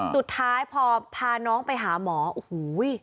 สุดท้ายพอพาน้องไปหาหมอโอ้โห